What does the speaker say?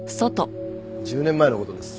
１０年前の事です。